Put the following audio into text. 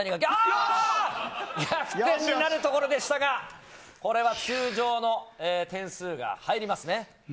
逆転になるところでしたがこれは通常の点数が入りますね。